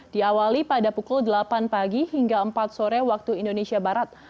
diawali pada pukul delapan pagi hingga empat sore waktu indonesia barat